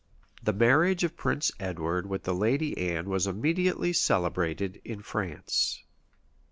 The marriage of Prince Edward with the Lady Anne was immediately celebrated in France.